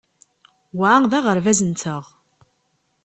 Wa d aɣerbaz-nteɣ.